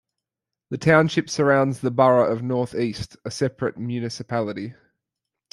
The township surrounds the borough of North East, a separate municipality.